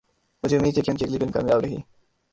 مجھے امید ہے کہ ان کی اگلی فلم کامیاب رہی